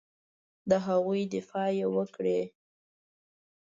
د هغوی دفاع وکړي.